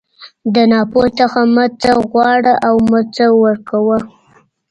د ناپوه څخه مه څه غواړه او مه څه ورکوه.